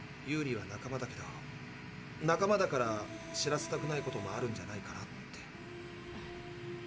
ユーリは仲間だけど仲間だから知らせたくないこともあるんじゃないかなって。